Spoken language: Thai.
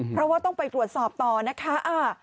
เพราะว่าต้องไปตรวจสอบต่อนะคะ